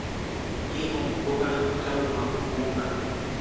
Ye omugoba taluma ggumba .